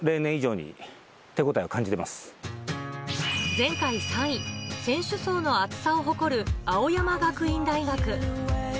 前回３位、選手層の厚さを誇る青山学院大学。